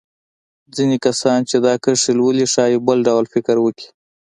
ځينې کسان چې دا کرښې لولي ښايي بل ډول فکر وکړي.